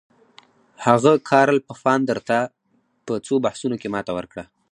هغه کارل پفاندر ته په څو بحثونو کې ماته ورکړه.